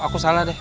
aku salah deh